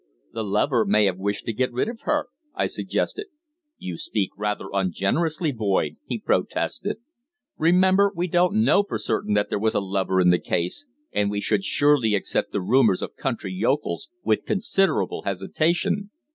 "The lover may have wished to get rid of her," I suggested. "You speak rather ungenerously, Boyd," he protested. "Remember, we don't know for certain that there was a lover in the case, and we should surely accept the rumours of country yokels with considerable hesitation."